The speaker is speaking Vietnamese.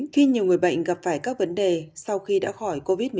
khi nhiều người bệnh gặp phải các vấn đề sau khi đã khỏi covid một mươi chín